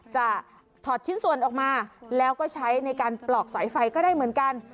ถอดชิ้นส่วนออกมาแล้วก็ใช้ในการปลอกสายไฟก็ได้เหมือนกัน